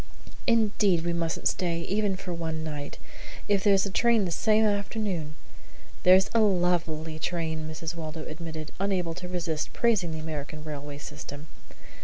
"Indeed we mustn't stay, even for one night. If there's a train the same afternoon " "There's a lovely train," Mrs. Waldo admitted, unable to resist praising the American railway system.